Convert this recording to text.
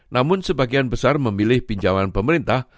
namun sebagian besar memilih pinjaman pemerintah